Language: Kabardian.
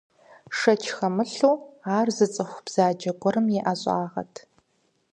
Шэч хэмылъу, ар зы цӀыху бзаджэ гуэрым и ӀэщӀагъэт.